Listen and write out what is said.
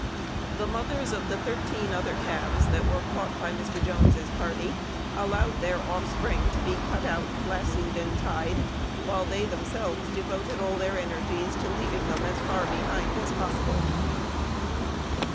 The mothers of the thirteen other calves that were caught by Mr. Jones's party allowed their offspring to be "cut out," lassoed, and tied, while they themselves devoted all their energies to leaving them as far behind as possible.